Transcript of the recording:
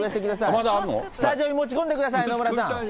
スタジオに持ち込んでください、野村さん。